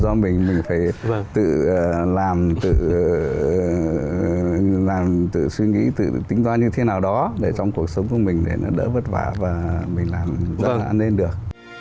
là do mình mình phải tự làm tự suy nghĩ tự tính toán như thế nào đó để trong cuộc sống của mình để nó đỡ vất vả và mình làm rất là an ninh được